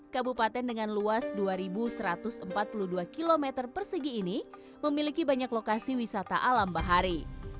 kabupaten dengan luas dua satu ratus empat puluh dua km persegi ini memiliki banyak lokasi wisata alam bahari